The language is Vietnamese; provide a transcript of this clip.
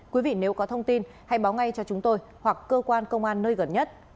quý vị nếu có thông tin hãy báo ngay cho chúng tôi hoặc cơ quan công an nơi gần nhất